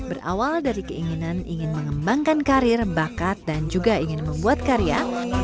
berawal dari keinginan ingin mengembangkan karir bakat dan juga ingin membuat karya